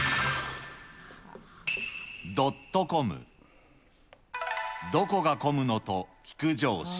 ドットコムどこが混むのと聞く上司。